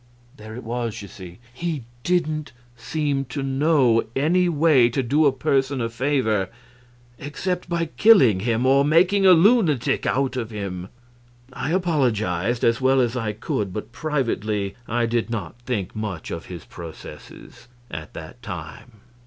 There it was, you see. He didn't seem to know any way to do a person a favor except by killing him or making a lunatic out of him. I apologized, as well as I could; but privately I did not think much of his processes at that time.